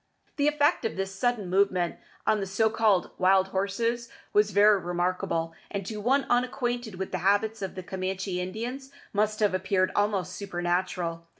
The effect of this sudden movement on the so called "wild horses" was very remarkable, and to one unacquainted with the habits of the Camanchee Indians must have appeared almost supernatural.